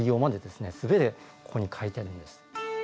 全てここに書いてあるんです。